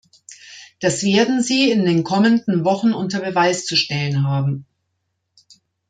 Das werden sie in den kommenden Wochen unter Beweis zu stellen haben.